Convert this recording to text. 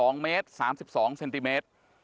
งัด๓๒เมตร